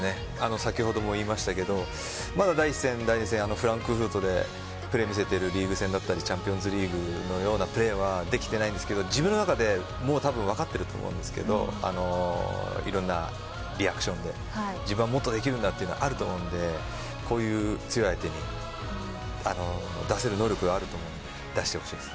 先ほども言いましたけどまだ第１戦、第２戦フランクフルトでプレー見せているリーグ戦だったりチャンピオンズリーグのようなプレーはできてないんですけど自分の中で、もう分かっていると思うんですけどいろんなリアクションだったり自分はもっとできるんだというのはあると思うのでこういう強い相手に出せる能力はあると思うので出してほしいです。